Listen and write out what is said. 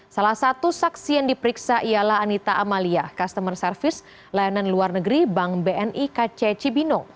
salah satu saksi yang diperiksa ialah anita amalia customer service layanan luar negeri bank bni kc cibinong